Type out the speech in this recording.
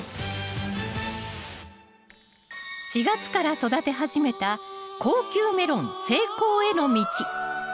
４月から育て始めた高級メロン成功への道。